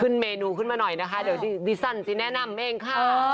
ขึ้นเมนูขึ้นมาหน่อยนะคะดิสันจะแนะนำเองค่ะ